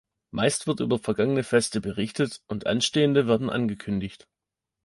Meist wird über vergangene Feste berichtet und anstehende werden angekündigt.